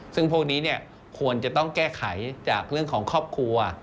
ซึ่งพวกนี้ควรจะต้องแก้ไขจากเรื่องของครอบครัว